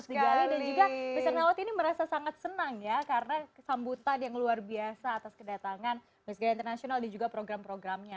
dan juga bersernawat ini merasa sangat senang karena kesambutan yang luar biasa atas kedatangan bersernawat international di program programnya